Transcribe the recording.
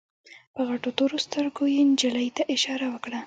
په غټو تورو سترګو يې نجلۍ ته اشاره وکړه.